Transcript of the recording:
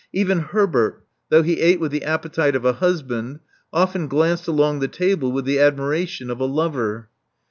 Even Herbert, though he ate with the appetite of a husband, often glanced along the table with the admiration of a lover.